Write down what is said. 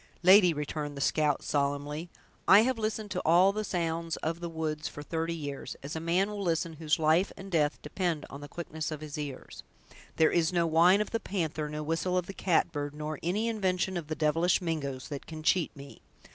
"Lady," returned the scout, solemnly, "I have listened to all the sounds of the woods for thirty years, as a man will listen whose life and death depend on the quickness of his ears. There is no whine of the panther, no whistle of the catbird, nor any invention of the devilish Mingoes, that can cheat me!